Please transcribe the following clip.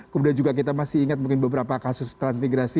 kemudian juga kita masih ingat mungkin beberapa kasus transmigrasi